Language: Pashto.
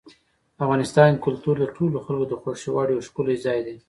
افغانستان کې کلتور د ټولو خلکو د خوښې وړ یو ښکلی ځای دی.